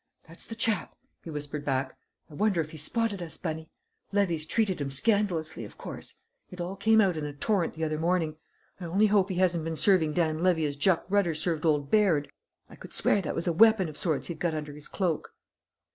"That's the chap," he whispered back. "I wonder if he spotted us, Bunny? Levy's treated him scandalously, of course; it all came out in a torrent the other morning. I only hope he hasn't been serving Dan Levy as Jack Rutter served old Baird! I could swear that was a weapon of sorts he'd got under his cloak."